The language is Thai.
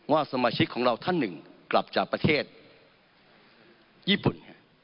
สมาชิกของเราท่านหนึ่งกลับจากประเทศญี่ปุ่น